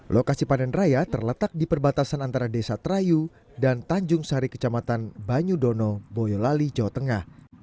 lokasi panen raya terletak di perbatasan antara desa terayu dan tanjung sari kecamatan banyudono boyolali jawa tengah